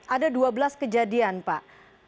ada dua belas kejadian pak